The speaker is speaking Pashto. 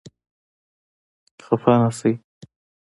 خفه نه شئ !